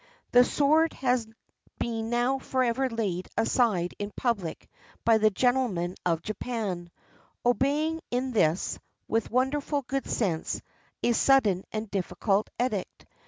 The sword has been now forever laid aside in public by the gentlemen of Japan — obeying in this, with wonderful good sense, a sudden and difficult edict.